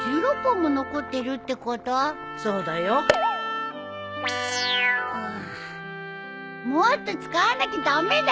もっと使わなきゃ駄目だよ！